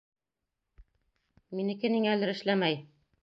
Минеке ниңәлер эшләмәй.